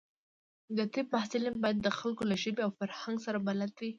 د طب محصلین باید د خلکو له ژبې او فرهنګ سره بلد وي.